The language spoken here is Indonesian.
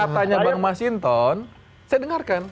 katanya bang mas hinton saya dengarkan